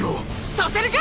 させるか！